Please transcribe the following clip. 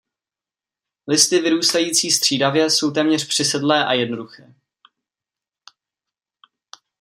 Listy vyrůstající střídavě jsou téměř přisedlé a jednoduché.